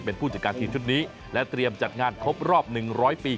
เป็นผู้จัดการทีมชุดนี้และเตรียมจัดงานครบรอบ๑๐๐ปี